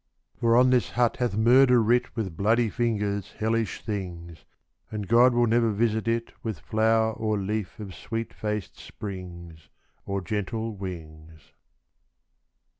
For on this hut hath murder writ, With bloody fingers, hellish things; And God will never visit it With flower or leaf of sweet faced Springs, Or gentle wings.